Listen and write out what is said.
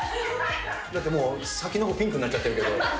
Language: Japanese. だってもう、先のほう、ピンクになっちゃってるけど。